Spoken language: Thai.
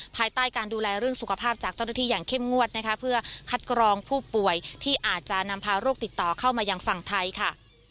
ภายใต้การดูแลเรื่องสุขภาพจากเจ้าหน้าที่อย่างเข้มงวดนะคะเพื่อคัดกรองผู้ป่วยที่อาจจะนำพาโรคติดต่อเข้ามายังฝั่งไทยค่ะ